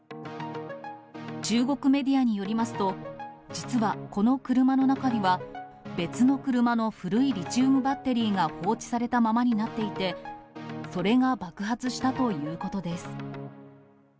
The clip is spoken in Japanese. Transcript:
中国メディアによりますと、実はこの車の中には、別の車の古いリチウムバッテリーが放置されたままになっていて、それが爆発したということです。